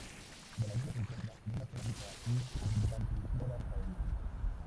La laguna se encuentra en una zona rica y abundante flora y fauna.